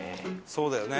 そうだよね。